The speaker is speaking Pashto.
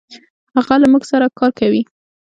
هغه له مونږ سره کار کوي.